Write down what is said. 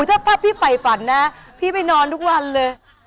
โอ้ถ้าพี่ไฟฝันนะพี่ไปนอนทุกวันเลย